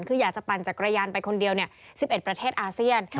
คืออยากจะปั่นจักรยานไปคนเดียว๑๑ประเทศอาเซียน